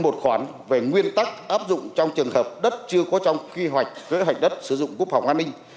chưa có trong kỳ hoạch kế hoạch đất sử dụng quốc phòng an ninh